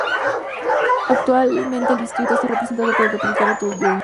Actualmente el distrito está representado por el Republicano Todd Young.